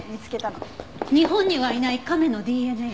日本にはいない亀のＤＮＡ？